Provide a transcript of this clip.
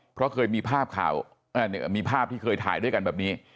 เพราะเคยมีภาพข่าวมีภาพที่เคยถ่ายด้วยกันแบบนี้